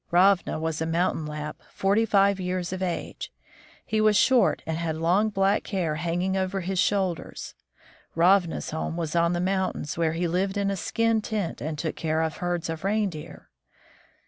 Ravna was a mountain Lapp, forty five years of age. He was short, and had long, black hair hanging over his shoulders. Ravna's home was on the mountains, where he lived in a skin tent and took care of herds of reindeer.